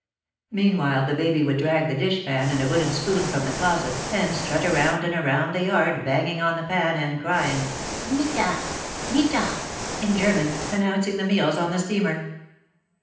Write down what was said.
Meanwhile the baby would drag the dish pan and a wooden spoon from the closet and strut around and around the yard banging on the pan and crying, "Metach! metach!" in German, announcing the meals on the steamer.